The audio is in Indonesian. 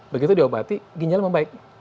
begitu diobati ginjal membaik